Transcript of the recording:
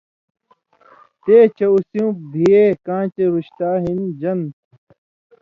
تے چےۡ اُو سېوں بھِیے کاں چے رُشتا ہِن ژن٘دہۡ تھہ،